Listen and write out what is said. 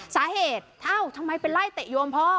สาเหตุเอ้าทำไมไปไล่เตะโยมพ่อ